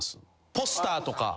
ポスターとか。